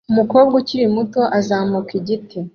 Umukobwa ukiri muto uzamuka igiti